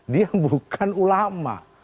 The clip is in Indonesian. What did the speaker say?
dia bukan ulama